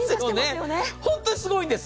本当にすごいんです。